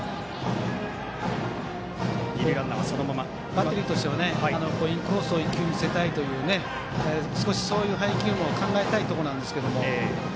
バッテリーとしてはインコースを１球見せたいという少し、そういう配球も考えたいところなんですけども。